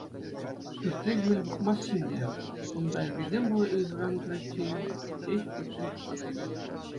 Пӳртре хӗвел пӑхмасть ӗнтӗ, ун пайӑркисем вӑл ыйхӑран тӑриччен ҫеҫ пӳртрен тухса кайнӑ.